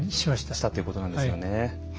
したということなんですよね。